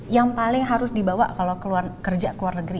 yang paling harus dibawa kalau kerja ke luar negeri